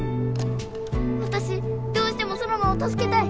わたしどうしてもソノマをたすけたい！